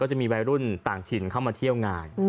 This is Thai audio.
ก็จะมีเวลาหลุ่นต่างถิ่นเข้ามาเที่ยวงานอืม